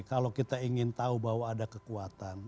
kalau kita ingin tahu bahwa ada kekuatan